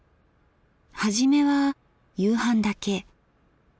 はじめは夕飯だけ。